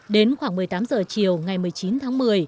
đến khoảng một mươi tám h chiều ngày một mươi chín tháng một mươi